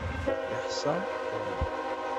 Iḥsa Tom.